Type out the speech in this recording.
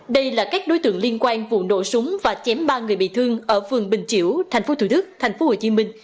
đây là các đối tượng liên quan vụ nổ súng và chém ba người bị thương ở phường bình chiểu tp thủ đức tp hồ chí minh